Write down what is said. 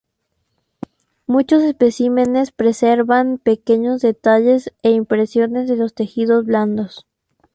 Muchos especímenes preservan pequeños detalles e impresiones de los tejidos blandos.